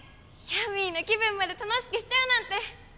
ヤミーの気分まで楽しくしちゃうなんて！